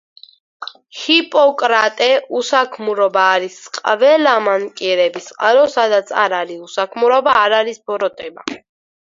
ჰიპოკრატე: უსაქმურობა არის ყველა მანკიერების წყარო. სადაც არ არის უსაქმურობა, არ არის ბოროტება.